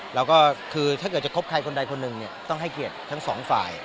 แล้วก็คือถ้าเกิดจะคบใครคนใดคนหนึ่งต้องให้เกียรติทั้งสองฝ่าย